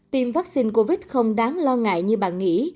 tiêm vaccine covid không đáng lo ngại như bạn nghĩ